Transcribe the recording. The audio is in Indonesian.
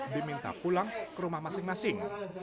diminta pulang ke rumah masing masing